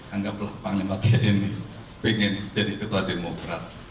anggaplah pak nematya ini pengen jadi ketua demokrat